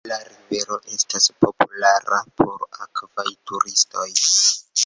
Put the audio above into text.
La rivero estas populara por akvaj turistoj.